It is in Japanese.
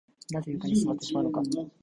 なぜ床に座ってしまうのか